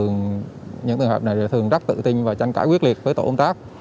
những trường hợp này thường rất tự tin và tranh cãi quyết liệt với tổ công tác